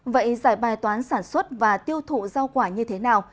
vậy giải bài toán sản xuất và tiêu thụ rau quả như thế nào